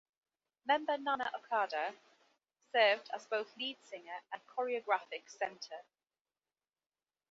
Member Nana Okada served as both lead singer and choreographic center.